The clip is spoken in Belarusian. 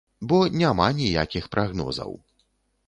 Бо няма ніякіх прагнозаў.